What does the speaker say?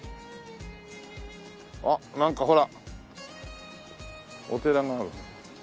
あっなんかほらお寺がある。